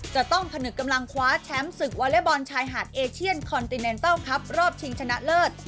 จะต้องพนึกกำลังคว้าแชมป์ศึกเวลบอลไทยหัดเอเชียนคอนติเนนเติลคลับรอบชิงชนะเลิศ